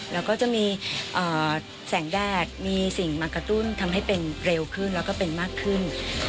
แล้วก็จะมีแสงแดดมีสิ่งมากระตุ้นทำให้เป็นเร็วขึ้นแล้วก็เป็นมากขึ้น